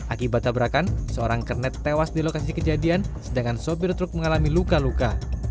akibat tabrakan seorang kernet tewas di lokasi kejadian sedangkan sopir truk mengalami luka luka